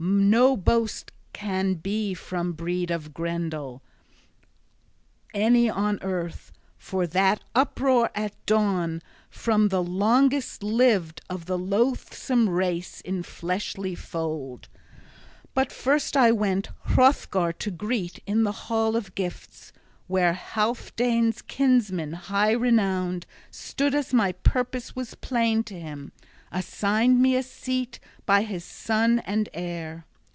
No boast can be from breed of Grendel, any on earth, for that uproar at dawn, from the longest lived of the loathsome race in fleshly fold! But first I went Hrothgar to greet in the hall of gifts, where Healfdene's kinsman high renowned, soon as my purpose was plain to him, assigned me a seat by his son and heir.